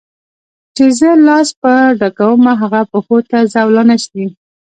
چي زه لاس په ډکومه هغه پښو ته زولانه سي